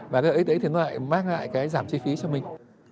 và cái hợp ích đấy thì nó lại mang lại cái giảm chi phí cho mình